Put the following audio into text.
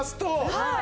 はい。